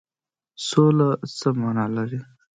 سوله څه معنی لري؟